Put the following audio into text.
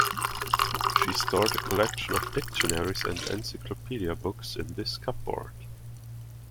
She stored a collection of dictionaries and encyclopedia books in this cupboard.